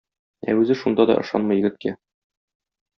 Ә үзе шунда да ышанмый егеткә.